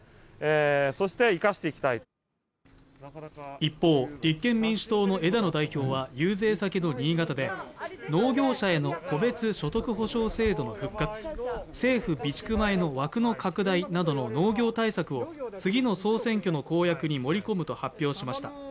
一方、立憲民主党の枝野代表は遊説先の新潟で、農業者への戸別所得補償制度の復活、政府備蓄米の枠の拡大などの農業対策を次の総選挙の公約に盛り込むと発表しました。